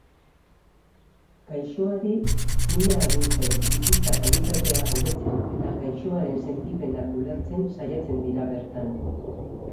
Gaixoari mina arintzen, bizitza-kalitatea hobetzen eta gaixoaren sentipenak ulertzen saiatzen dira bertan.